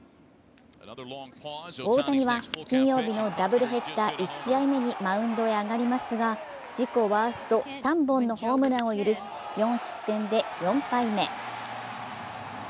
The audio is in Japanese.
大谷は金曜日のダブルヘッダー１試合目にマウンドに上がりますが自己ワースト３本のホームランを許し、４失点で４敗目。